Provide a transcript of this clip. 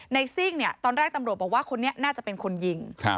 ซิ่งเนี่ยตอนแรกตำรวจบอกว่าคนนี้น่าจะเป็นคนยิง